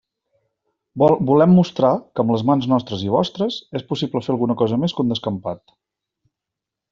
Volem mostrar que, amb les mans nostres i vostres, és possible fer alguna cosa més que un descampat.